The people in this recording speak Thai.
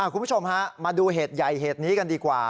คุณผู้ชมฮะมาดูเหตุใหญ่เหตุนี้กันดีกว่า